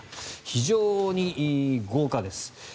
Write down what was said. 非常に豪華です。